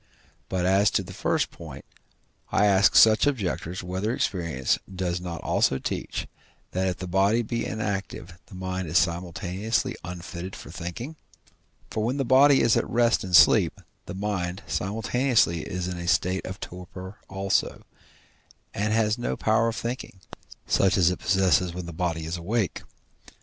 But, as to the first point, I ask such objectors, whether experience does not also teach, that if the body be inactive the mind is simultaneously unfitted for thinking? For when the body is at rest in sleep, the mind simultaneously is in a state of torpor also, and has no power of thinking, such as it possesses when the body is awake.